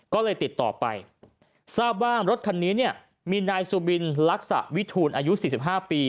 ก็เลยติดต่อไปทราบว่ารถคันนี้เนี่ยมีนายสุบินลักษะวิทูลอายุ๔๕ปี